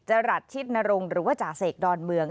รัฐชิดนรงค์หรือว่าจ่าเสกดอนเมือง